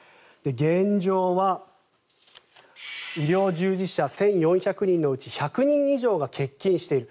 現状は医療従事者１４００人のうち１００人以上が欠勤している。